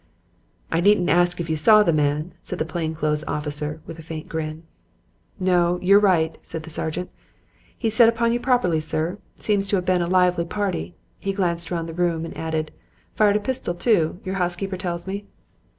"'I needn't ask if you saw the man,' said the plain clothes officer, with a faint grin. "'No, you're right,' said the sergeant. 'He set upon you properly, sir. Seems to have been a lively party.' He glanced round the room and added: 'Fired a pistol, too, your housekeeper tells me.'